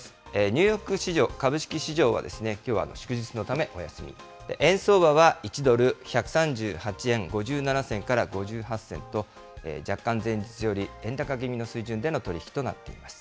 ニューヨーク市場、株式市場はですね、きょうは祝日のためお休み、円相場は１ドル１３８円５７銭から５８銭と、若干前日より円高気味の水準での取り引きとなっています。